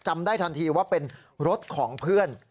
ได้ทันทีว่าเป็นรถของเพื่อน